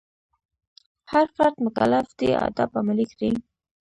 هر فرد مکلف دی آداب عملي کړي.